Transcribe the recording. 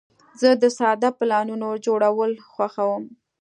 زه د ساده پلانونو جوړول خوښوم.